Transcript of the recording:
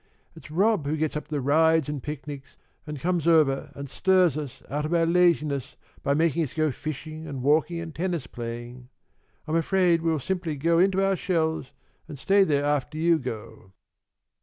It's Rob who gets up the rides and picnics, and comes over and stirs us out of our laziness by making us go fishing and walking and tennis playing. I'm afraid we'll simply go into our shells and stay there after you go."